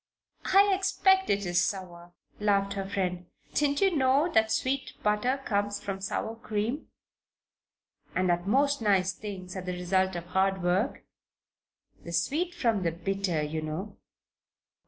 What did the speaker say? "I expect it is sour," laughed her friend. "Didn't you know that sweet butter comes from sour cream? And that most nice things are the result of hard work? The sweet from the bitter, you know."